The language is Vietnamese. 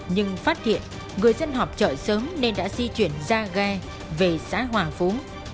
nhưng phát hiện người dân họp chợ sớm nên đã di chuyển ra ghe về xã hòa phú